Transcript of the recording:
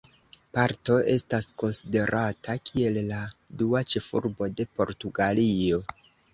Porto estas konsiderata kiel la dua ĉefurbo de Portugalio.